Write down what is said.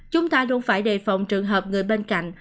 chúng ta luôn phải đề phòng trường hợp người bên cạnh